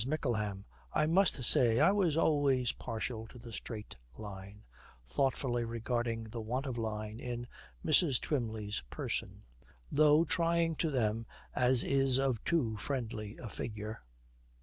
MICKLEHAM. 'I must say I was always partial to the straight line' thoughtfully regarding the want of line in Mrs. Twymley's person 'though trying to them as is of too friendly a figure.'